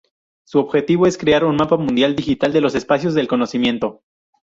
Su objetivo es crear un mapa mundial digital de los espacios del conocimiento.